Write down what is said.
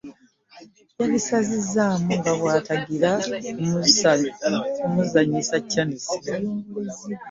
Yabinsazisaamu nga bw'antangira okumuzannyisa ccaanisi.